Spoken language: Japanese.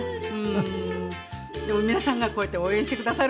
でも皆さんがこうやって応援してくださるんで。